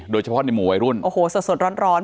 โดยเฉพาะในหมู่วัยรุ่น